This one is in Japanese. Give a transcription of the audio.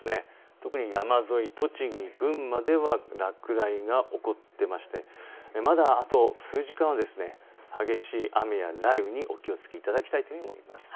特に山沿い、栃木、群馬では落雷が起こっていましてまだ、あと数時間は激しい雨や雷雨にお気をつけいただきたいと思います。